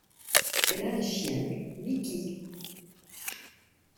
Et elle a un chien, Mikki.